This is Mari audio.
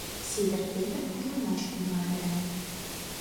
Сидыр Петр мутланаш тӱҥале.